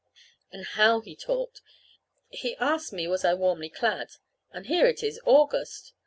And how he talked! He asked me was I warmly clad (and here it is August!)